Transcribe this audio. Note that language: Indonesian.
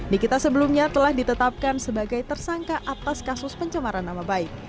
nikita sebelumnya telah ditetapkan sebagai tersangka atas kasus pencemaran nama baik